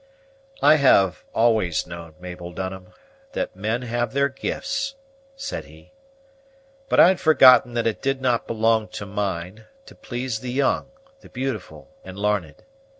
"I have always known, Mabel Dunham, that men have their gifts," said he; "but I'd forgotten that it did not belong to mine to please the young, the beautiful, and l'arned.